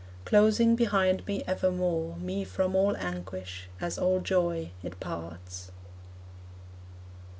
Closing behind me evermore, Me from all anguish, as all joy, it parts.